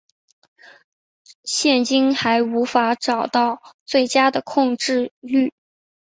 现今还无法找到最佳的控制律。